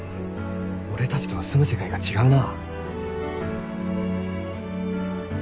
俺たちとは住む世界が違うな。